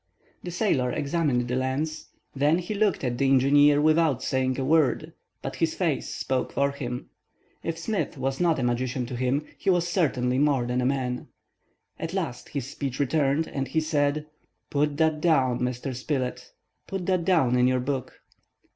The sailor examined the lens; then he looked at the engineer without saying a word, but his face spoke for him. If Smith was not a magician to him, he was certainly more than a man. At last his speech returned, and he said:— "Put that down, Mr. Spilett, put that down in your book!"